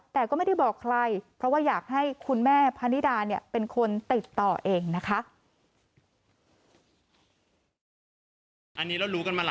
แต่ก็ไม่ได้บอกใครเพราะว่าอยากให้คุณแม่พะนิดาเนี่ยเป็นคนติดต่อเองนะคะ